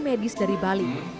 termasuk tim medis dari bali